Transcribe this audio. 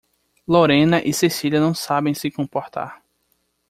Lorena e Cecília não sabem se comportar.